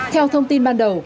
theo thông tin ban đầu